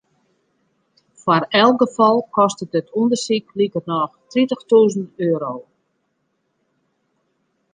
Foar elk gefal kostet it ûndersyk likernôch tritichtûzen euro.